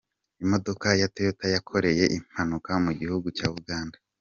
Imodoka ya Toyota yakoreye impanuka mu gihugu cya Uganda